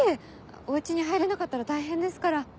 お家に入れなかったら大変ですから。